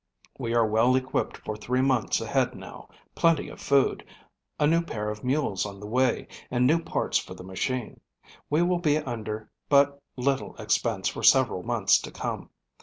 We are well equipped for three months ahead now, plenty of food, a new pair of mules on the way, and new parts for the machine. We will be under but little expense for several months to come.